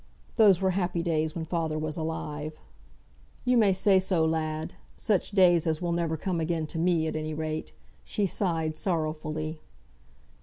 "Those were happy days when father was alive!" "You may say so, lad! Such days as will never come again to me, at any rate." She sighed sorrowfully.